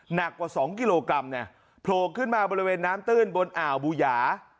หนักกว่า๒กิโลกรัมเนี่ยโผล่ขึ้นมาบริเวณน้ำตื้นบนอ่าวบูหยา